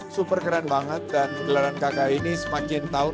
super keren banget dan gelaran kk ini semakin tahun